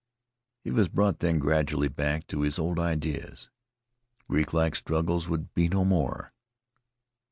He was brought then gradually back to his old ideas. Greeklike struggles would be no more.